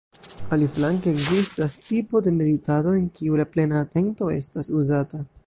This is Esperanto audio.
Aliflanke ekzistas tipo de meditado en kiu la "plena atento estas uzata".